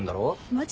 マジ？